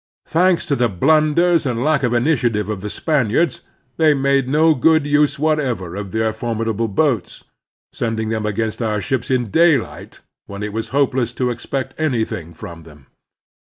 Thanks to the blimders and lack of initiative of the Spaniards, they made no good use whatever of their formidable boats, sending them against oiu* ships in daylight, when it was hopeless to expect anjrthing from them.